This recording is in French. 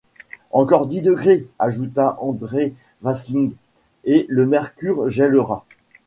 Encore dix degrés, ajouta André Vasling, et le mercure gèlera!